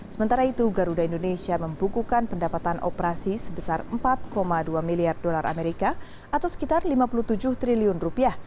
sementara itu garuda indonesia membukukan pendapatan operasi sebesar empat dua miliar dolar amerika atau sekitar lima puluh tujuh triliun rupiah